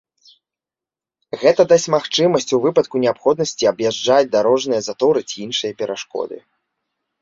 Гэта дасць магчымасць у выпадку неабходнасці аб'язджаць дарожныя заторы ці іншыя перашкоды.